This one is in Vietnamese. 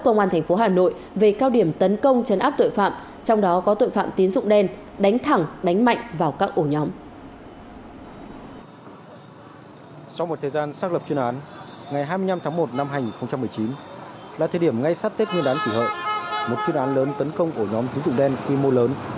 công an thành phố hà nội về cao điểm tấn công chấn áp tội phạm trong đó có tội phạm tín dụng đen